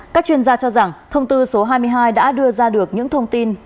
các chuyên gia cho rằng thông tư số hai mươi hai đã đưa ra được những thông tin